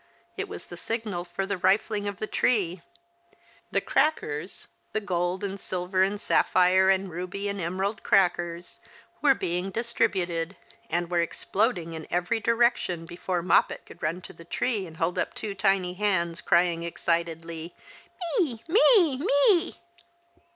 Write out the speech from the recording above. It was the signal for the rifling of the tree. The crackers — the gold and silver and sapphire and ruby and emerald crackers — were being distributed, and were exploding in every direction before Moppet could run to the tree and hold up two tiny hands, crying excitedly, " ^Me, me, me